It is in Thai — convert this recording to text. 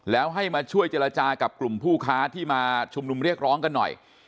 แล้วให้มาช่วยเจรจากับกลุ่มผู้ค้าที่มาชุมนุมเรียกร้องกันหน่อย